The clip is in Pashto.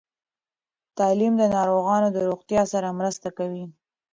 تعلیم د ناروغانو د روغتیا سره مرسته کوي.